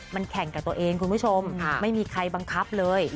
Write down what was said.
มันแข่งกับตัวเองคุณผู้ชมไม่มีใครบังคับเลย